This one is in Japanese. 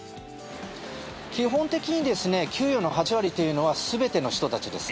基本的に給与の８割というのは全ての人たちです。